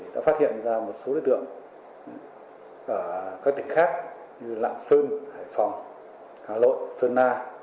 đã phát hiện ra một số đối tượng ở các tỉnh khác như lạng sơn hải phòng hà lội sơn la